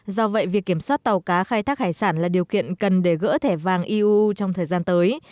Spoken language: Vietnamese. do vậy việc kiểm soát tàu cá khai thác hải sản là điều kiện cần để gỡ thẻ vàng eu trong thời gian tới